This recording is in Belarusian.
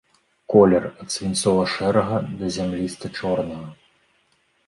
Колер ад свінцова-шэрага да зямліста-чорнага.